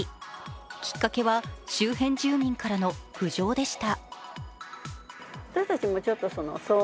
きっかけは周辺住民からの苦情でした。